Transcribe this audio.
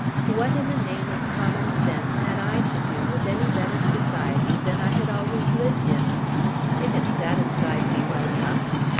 What, in the name of common sense, had I to do with any better society than I had always lived in? It had satisfied me well enough.